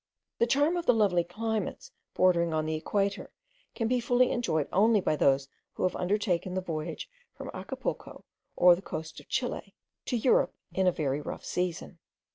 The charm of the lovely climates bordering on the equator, can be fully enjoyed only by those who have undertaken the voyage from Acapulco or the coasts of Chile to Europe in a very rough season.